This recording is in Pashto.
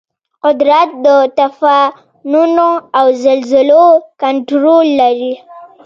قدرت د طوفانونو او زلزلو کنټرول لري.